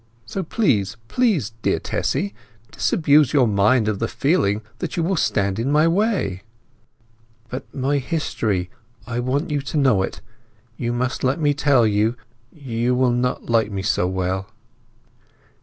So please—please, dear Tessy, disabuse your mind of the feeling that you will stand in my way." "But my history. I want you to know it—you must let me tell you—you will not like me so well!"